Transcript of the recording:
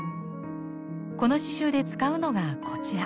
この刺しゅうで使うのがこちら。